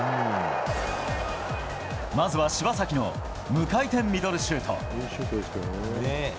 まずは、柴崎の無回転ミドルシュート。